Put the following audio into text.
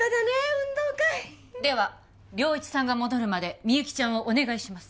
運動会では良一さんが戻るまでみゆきちゃんをお願いします